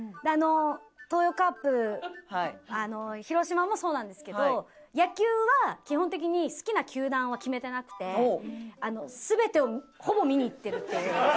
東洋カープ広島もそうなんですけど野球は基本的に好きな球団は決めてなくて全てをほぼ見に行ってるっていう。